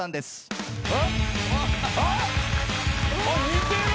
似てる。